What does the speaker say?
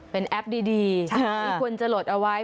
เป็นแอปดีที่ควรจะหลดเอาไว้